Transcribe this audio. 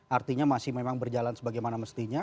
artinya masih memang berjalan sebagaimana mestinya